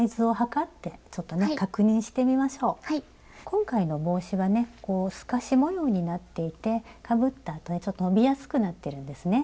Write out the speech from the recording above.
今回の帽子はねこう透かし模様になっていてかぶったあとにちょっと伸びやすくなってるんですね。